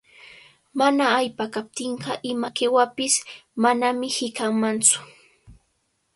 Mana allpa kaptinqa ima qiwapish manami hiqanmantsu.